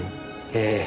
ええ。